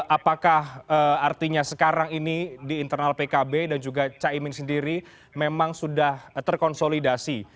apakah artinya sekarang ini di internal pkb dan juga caimin sendiri memang sudah terkonsolidasi